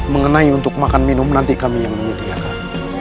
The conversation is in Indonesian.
mengenai untuk makan minum nanti kami yang menyediakan